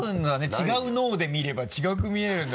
違う脳で見れば違うく見えるんだ。